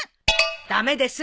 駄目です。